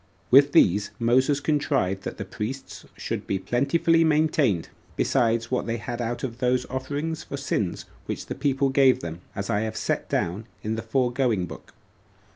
With these Moses contrived that the priests should be plentifully maintained, besides what they had out of those offerings for sins which the people gave them, as I have set it down in the foregoing book.